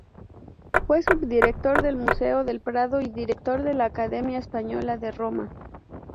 Fue subdirector del Museo del Prado y director de la Academia Española de Roma.